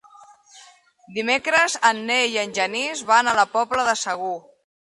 Dimecres en Nel i en Genís van a la Pobla de Segur.